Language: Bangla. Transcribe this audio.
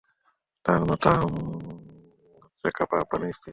তাঁর মাতা হচ্ছেন কাব আহবারের স্ত্রী।